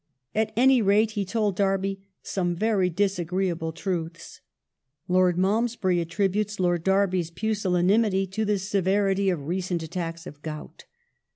^ At any rate he told Derby "some very disagreeable truths". Lord Malmesbury attributes Lord Derby's pusillanimity to the severity of recent attacks of gout.